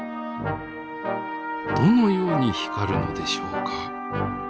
どのように光るのでしょうか？